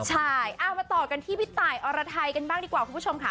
ใช่เอามาต่อกันที่พี่ตายอรไทยกันบ้างดีกว่าคุณผู้ชมค่ะ